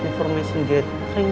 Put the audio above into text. informasi get train